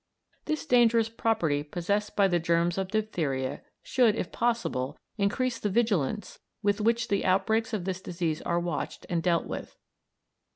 This dangerous property possessed by the germs of diphtheria should, if possible, increase the vigilance with which the outbreaks of this disease are watched and dealt with.